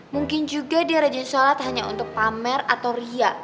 mungkin juga dia rajin sholat hanya untuk pamer atau riak